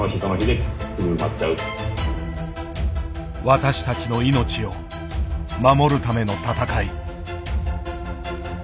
私たちの命を守るための闘い。